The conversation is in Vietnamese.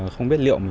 không biết liệu